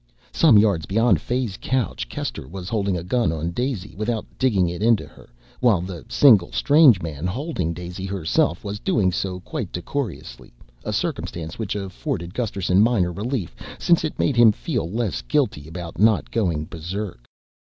Some yards beyond Fay's couch, Kester was holding a gun on Daisy, without digging it into her, while the single strange man holding Daisy herself was doing so quite decorously a circumstance which afforded Gusterson minor relief, since it made him feel less guilty about not going berserk.